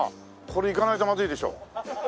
これいかないとまずいでしょ。